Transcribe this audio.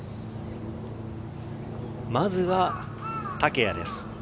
まずは竹谷です。